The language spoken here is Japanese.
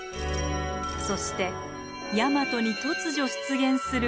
そしてヤマトに突如出現する列島